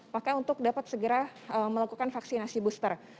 maka untuk dapat segera melakukan vaksinasi booster